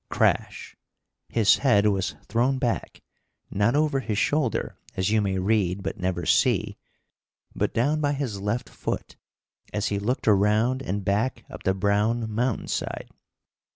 Crash! His head was thrown back, not over his shoulder, as you may read but never see, but down by his left foot, as he looked around and back up the brown mountain side.